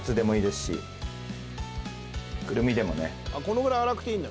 「このぐらい粗くていいんだ？」